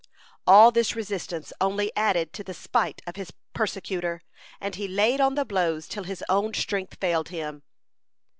All this resistance only added to the spite of his persecutor and he laid on the blows till his own strength failed him.